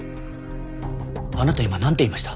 あなた今なんて言いました？